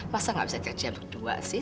masa gak bisa kerja berdua sih